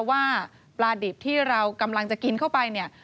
ว่าปลาดิบที่เรากำลังจะกินเข้าไปเนี่ย